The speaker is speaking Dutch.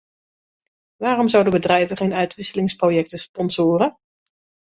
Waarom zouden bedrijven geen uitwisselingsprojecten sponsoren?